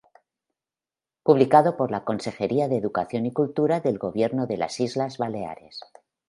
Publicado por la Consejería de Educación y Cultura del Gobierno de las Islas Baleares.